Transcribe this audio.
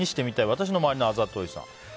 私の周りのあざといさん。